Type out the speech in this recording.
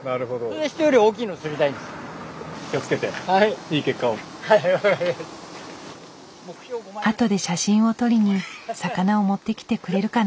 あとで写真を撮りに魚を持ってきてくれるかな。